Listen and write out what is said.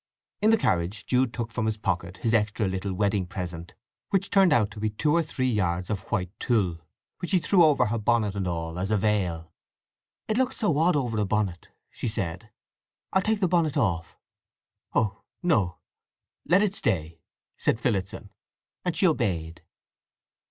In the carriage Jude took from his pocket his extra little wedding present, which turned out to be two or three yards of white tulle, which he threw over her bonnet and all, as a veil. "It looks so odd over a bonnet," she said. "I'll take the bonnet off." "Oh no—let it stay," said Phillotson. And she obeyed.